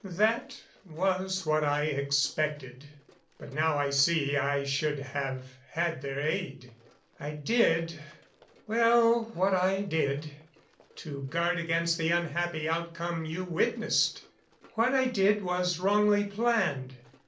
That was what I expected, but now I see I should have had their aid. I did well what I did to guard against the unhappy outcome you witnessed what I did was wrongly planned.